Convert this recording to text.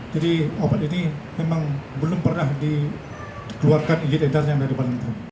jadi obat ini memang belum pernah dikeluarkan izin edarnya dari badan kom